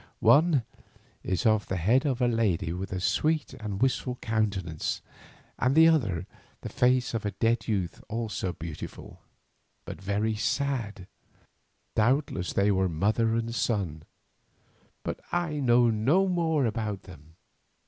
One is of the head of a lady with a sweet and wistful countenance, and the other the face of a dead youth also beautiful, but very sad. Doubtless they were mother and son, but I know no more about them.